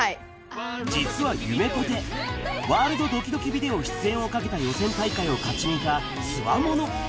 実はゆめぽて、ワールドドキドキビデオ出演をかけた予選大会を勝ち抜いたつわもの。